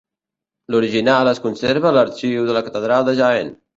L'original es conserva a l'arxiu de la catedral de Jaén.